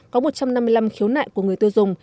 có một trăm năm mươi năm khiếu nại của người tiêu dùng